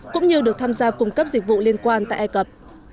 cũng như được tham gia cung cấp dịch vụ liên quan tại ai cập